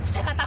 saya tak tahu